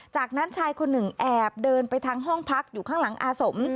จากนั้นชายคนหนึ่งแอบเดินไปทางห้องพักอยู่ข้างหลังอาสม